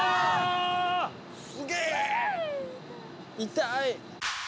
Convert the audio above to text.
痛い！